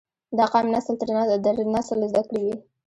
دا قام نسل در نسل زده کړي وي